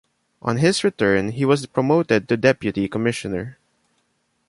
On his return he was promoted to Deputy Commissioner.